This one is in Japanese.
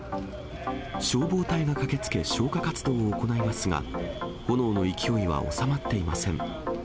消防隊が駆けつけ、消火活動を行いますが、炎の勢いは収まっていません。